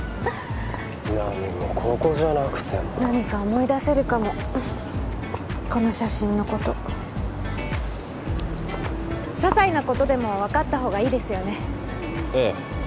何もここじゃなくても何か思い出せるかもこの写真のことささいなことでも分かったほうがいいですよねええ